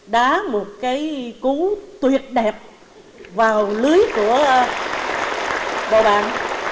đá một cái cú tuyệt đẹp vào lưới của bạn